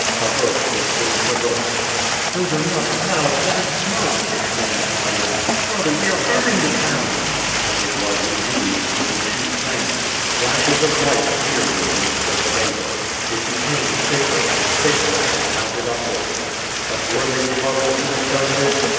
A verst was soon traversed. "Those are not clouds, that is smoke!" exclaimed Nadia. "Brother, they are burning the town!" It was, indeed, only too plain. Flashes of light appeared in the midst of the vapor. It became thicker and thicker as it mounted upwards. But were they Tartars who had done this?